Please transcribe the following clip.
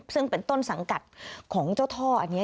ซึ่งเป็นต้นสังกัดของเจ้าท่ออันนี้